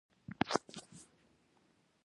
شيرين بغلان ته په پرته لاره مشهور هوټل دی.